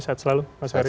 selamat selalu mas ferry